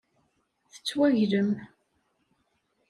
Tettwaglem.